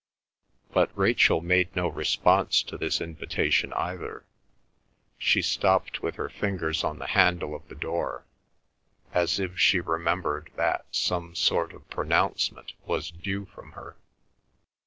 But Rachel made no response to this invitation either. She stopped with her fingers on the handle of the door, as if she remembered that some sort of pronouncement was due from her.